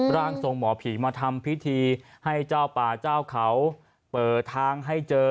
ร่างทรงหมอผีมาทำพิธีให้เจ้าป่าเจ้าเขาเปิดทางให้เจอ